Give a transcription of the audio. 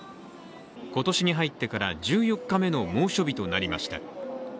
今年に入ってから１４日目の猛暑日となりました。